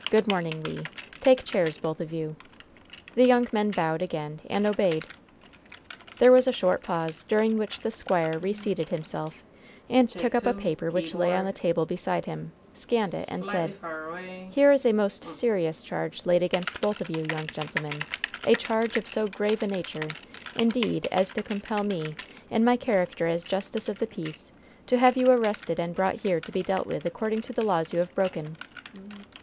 Good morning, Le! Take chairs, both of you." The young men bowed again, and obeyed. There was a short pause, during which the squire reseated himself, and took up a paper which lay on the table beside him, scanned it, and said: "Here is a most serious charge laid against both of you, young gentlemen a charge of so grave a nature, indeed, as to compel me, in my character as justice of the peace, to have you arrested and brought here to be dealt with according to the laws you have broken."